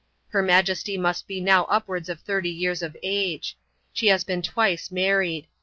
Her Majesty must be now upwards of thirty years of age. She has been twice married.